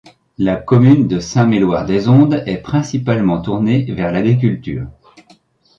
La commune de Saint-Méloir-des-Ondes est principalement tournée vers l'agriculture.